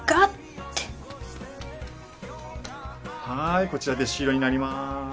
はいこちらで終了になります